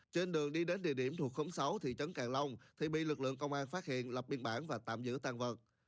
trên đường đi đến địa điểm thuộc khóm sáu thị trấn càng long thì bị lực lượng công an phát hiện lập biên bản và tạm giữ tàn vật